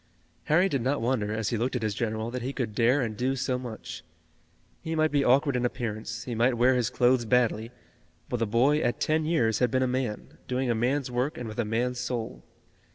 Harry did not wonder, as he looked at his general, that he could dare and do so much. He might be awkward in appearance, he might wear his clothes badly, but the boy at ten years had been a man, doing a man's work and with a man's soul.